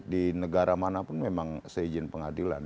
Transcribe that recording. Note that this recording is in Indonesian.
di negara manapun memang seizin pengadilan